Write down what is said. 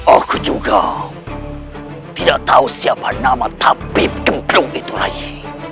aku juga tidak tahu siapa nama tabib gengklung itu rayi